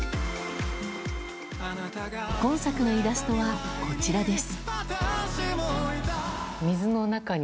今作のイラストは、こちらです。